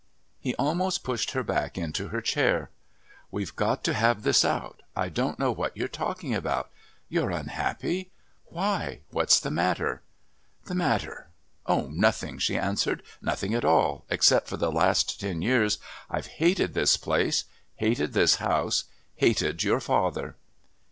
He almost pushed her back into her chair. "We've got to have this out. I don't know what you're talking about. You're unhappy? Why, what's the matter?" "The matter? Oh, nothing!" she answered. "Nothing at all, except for the last ten years I've hated this place, hated this house, hated your father."